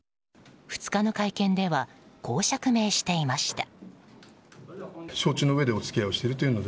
２日の会見ではこう釈明していました。